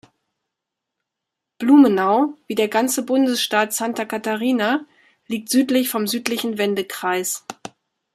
Blumenau, wie der ganze Bundesstaat Santa Catarina, liegt südlich vom südlichen Wendekreis.